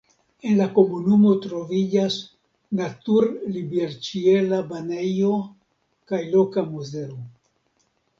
En la komunumo troviĝas natur-liberĉiela banejo kaj loka muzeo.